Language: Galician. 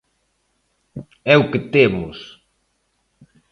¡É o que temos!